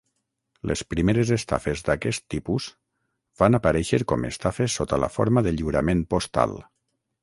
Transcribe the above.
Les primeres estafes d'aquest tipus van aparèixer com estafes sota la forma de lliurament postal.